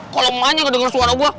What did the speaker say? kalo emaknya gak denger suara gue